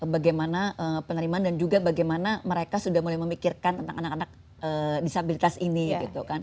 bagaimana penerimaan dan juga bagaimana mereka sudah mulai memikirkan tentang anak anak disabilitas ini gitu kan